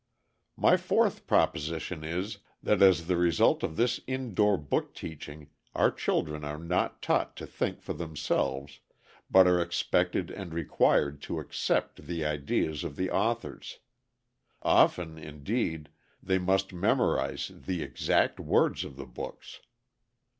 My fourth proposition is, that as the result of this indoor book teaching our children are not taught to think for themselves, but are expected and required to accept the ideas of the authors, often, indeed, they must memorize the exact words of the books.